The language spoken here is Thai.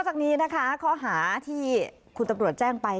จากนี้นะคะข้อหาที่คุณตำรวจแจ้งไป